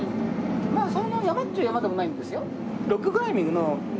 まあそんな山っていう山でもないんですよ。